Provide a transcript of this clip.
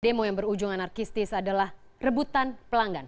demo yang berujungan arkistis adalah rebutan pelanggan